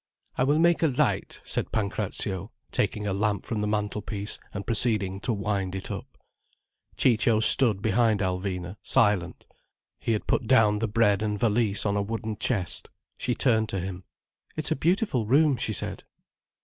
"I will make a light," said Pancrazio, taking a lamp from the mantel piece, and proceeding to wind it up. Ciccio stood behind Alvina, silent. He had put down the bread and valise on a wooden chest. She turned to him. "It's a beautiful room," she said.